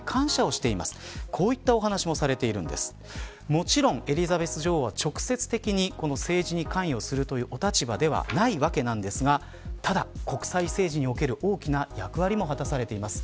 もちろんエリザベス女王は直接的に政治に関与するというお立場ではないわけですがただ、国際政治における大きな役割も果たされています。